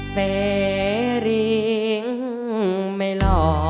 เสรีไม่หล่อ